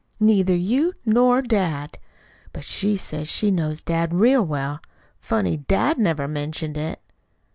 Neither you nor dad. But she says she knows dad real well. Funny dad never mentioned it!